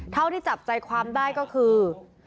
เท่าที่จับใจความได้ก็คือ